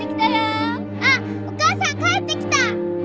あっお母さん帰ってきた！